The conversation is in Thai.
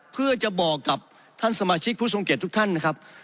เพื่อจะบอกกับท่านสมาชิกผู้ทรงเกียจทุกท่านนะครับ